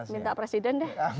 minta presiden deh